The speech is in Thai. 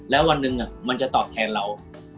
แล้ววันหนึ่งมันจะตอบแทนเรา